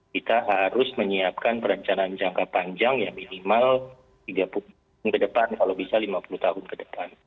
kita harus menyiapkan perencanaan jangka panjang yang minimal tiga puluh tahun ke depan kalau bisa lima puluh tahun ke depan